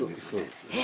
そうです。